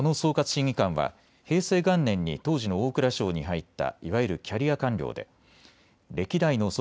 審議官は平成元年に当時の大蔵省に入ったいわゆるキャリア官僚で歴代の総括